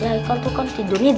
apa naruh usu direnya mate